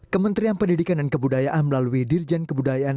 kementerian pendidikan dan kebudayaan melalui dirjen kebudayaan